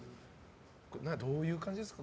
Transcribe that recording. どういう感じですか？